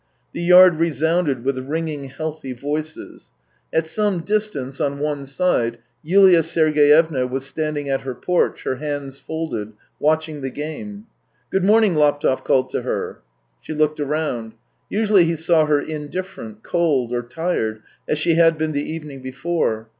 The yard resounded with ringing, healthy voices. At some distance on one side, Yulia Sergeyevna was standing at her porch, her hands folded, watching the game. " Good morning !" Laptev called to her. She looked round. Usually he saw her in different, cold, or tired as she had been the evening before.